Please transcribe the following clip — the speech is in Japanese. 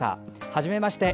はじめまして。